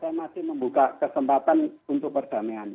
jadi saya masih membuka kesempatan untuk perdamaian